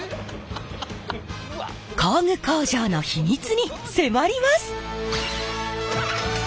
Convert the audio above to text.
工具工場の秘密に迫ります！